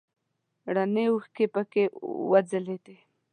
رڼې اوښکې پکې وځلیدې.